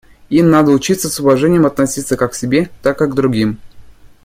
Им надо учиться с уважением относиться как к себе, так и к другим.